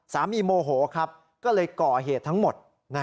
โมโหครับก็เลยก่อเหตุทั้งหมด